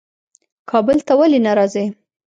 کابل ته ولي نه راځې؟